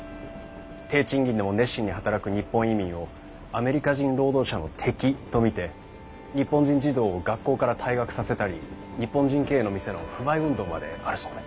低賃金でも熱心に働く日本移民をアメリカ人労働者の敵と見て日本人児童を学校から退学させたり日本人経営の店の不買運動まであるそうで。